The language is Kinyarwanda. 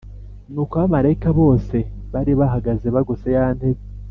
Nuko abamarayika bose bari bahagaze bagose ya ntebe